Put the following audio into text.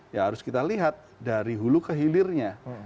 ya harus kita lihat dari hulu ke hilirnya